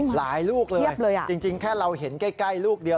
ลูกเลยจริงแค่เราเห็นใกล้ลูกเดียว